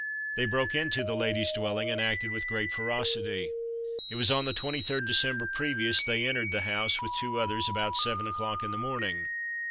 They broke into the lady's dwelling, and acted with great ferocity. It was on the 23rd December previous; they entered the house, with two others, about seven o'clock in the morning.